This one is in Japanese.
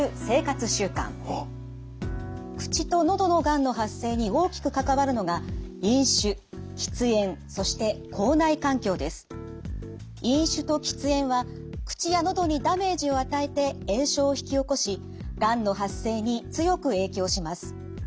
口と喉のがんの発生に大きく関わるのが飲酒と喫煙は口や喉にダメージを与えて炎症を引き起こしがんの発生に強く影響します。